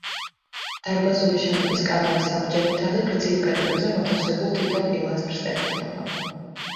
დარბაზული შენობის კამარის საბჯენი თაღი გრძივ კედლებზე მოთავსებულ თითო პილასტრს ეყრდნობა.